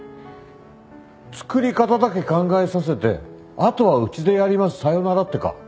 作り方だけ考えさせてあとはうちでやりますさよならってか。